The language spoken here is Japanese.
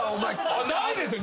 ないですよ